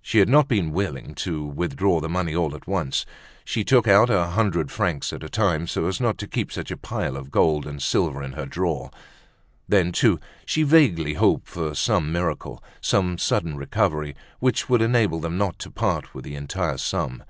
She had not been willing to withdraw the money all at once. She took it out a hundred francs at a time, so as not to keep such a pile of gold and silver in her drawer; then, too, she vaguely hoped for some miracle, some sudden recovery, which would enable them not to part with the entire sum.